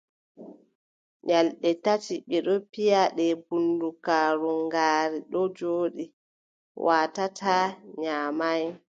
Nyalɗe tati ɓe ɗon piya ɗe bundugaaru ngaari ɗon jooɗi, waatataa, nyaamay.